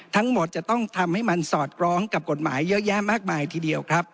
ทั้งหมดจะต้องทำให้มันสอดคล้องกับกฎหมายเยอะแยะมากมายทีเดียวครับ